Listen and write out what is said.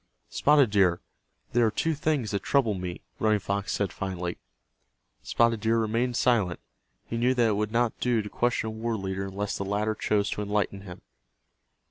"Spotted Deer, there are two things that trouble me," Running Fox said, finally. Spotted Deer remained silent. He knew that it would not do to question a war leader unless the latter chose to enlighten him.